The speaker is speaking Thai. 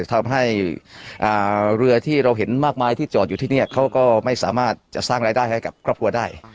ทำให้เรือที่เราเห็นมากมายที่จอดอยู่ที่นี่เขาก็ไม่สามารถจะสร้างรายได้ให้กับครอบครัวได้